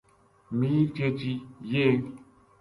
میر چیچی یہ